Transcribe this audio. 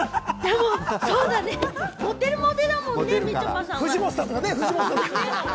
そうだね、モテモテだもんね、みちょぱさんは。